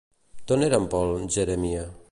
D'on era en Paul Jérémie?